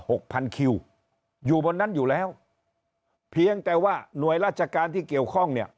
หกพันคิวอยู่บนนั้นอยู่แล้วเพียงแต่ว่าหน่วยราชการที่เกี่ยวข้องเนี่ย